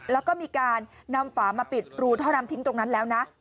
แล้วก็มีการนำฝามาปิดรูท่อน้ำทิ้งตรงนั้นแล้วนะ